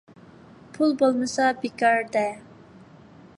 پۇل بولمىسا بىكار - دە!